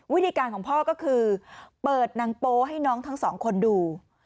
วิธีการของพ่อก็คือเปิดนางโป๊ให้น้องทั้งสองคนดู